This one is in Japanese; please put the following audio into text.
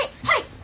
はい！